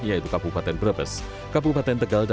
dan kabupaten jawa tengah